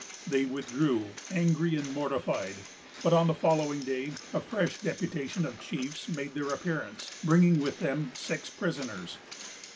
They withdrew angry and mortified; but, on the following day, a fresh deputation of chiefs made their appearance, bringing with them six prisoners.